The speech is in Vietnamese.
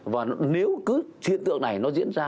và nếu cứ thiên tượng này nó diễn ra